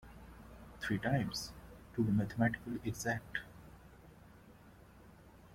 Three times, to be mathematically exact.